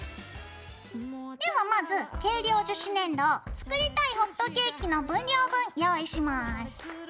ではまず軽量樹脂粘土を作りたいホットケーキの分量分用意します。